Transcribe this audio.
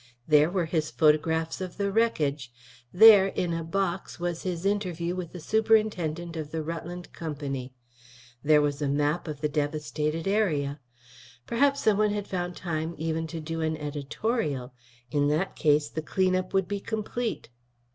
There were his photographs of the wreckage; there, in a "box" was his interview with the superintendent of the Rutland Company; there was a map of the devastated area. Perhaps someone had found time even to do an editorial; in that case the clean up would be complete.